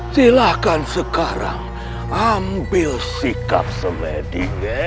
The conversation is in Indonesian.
silahkan sekarang ambil sikap semedinya